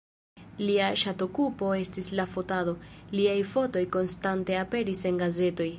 Lia ŝatokupo estis la fotado, liaj fotoj konstante aperis en gazetoj.